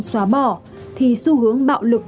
xóa bỏ thì xu hướng bạo lực